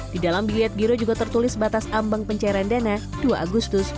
di dalam bilet giro juga tertulis batas ambang pencairan dana dua agustus dua ribu dua puluh satu